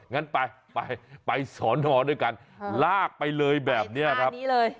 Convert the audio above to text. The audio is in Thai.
งั้นไปไปสอนอด้วยกันลากไปเลยแบบนี้ครับ